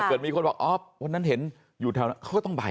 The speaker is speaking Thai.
มีคนบอกอ๋อวันนั้นเห็นอยู่แถวนั้นเขาก็ต้องไป